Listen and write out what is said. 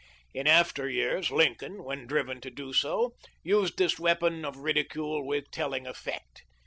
In after years Lincoln, when driven to do so, used this weapon of ridicule with telling effect.